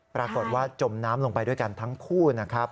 ปรากฏว่าจมน้ำลงไปด้วยกันทั้งคู่นะครับ